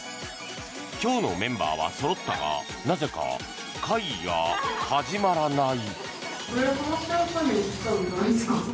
今日のメンバーはそろったがなぜか、会議が始まらない。